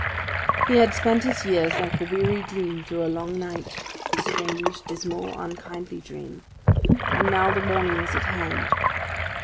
He had spent his years like a weary dream through a long night a strange, dismal, unkindly dream; and now the morning was at hand.